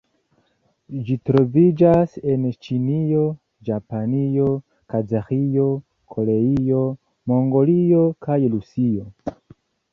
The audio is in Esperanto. Ĝi troviĝas en Ĉinio, Japanio, Kazaĥio, Koreio, Mongolio kaj Rusio.